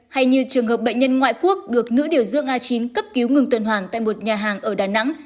hay như trường hợp bệnh nhân ngoại quốc được nữ điều dương a chín cấp cứu ngừng tuần hoàn tại một nhà hàng ở đà nẵng